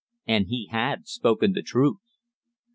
And he had spoken the truth!